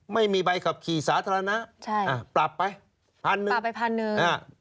ไม่มีใบขับขี่สาธารณะใช่อ่าปรับไปพันหนึ่งปรับไปพันหนึ่งอ่า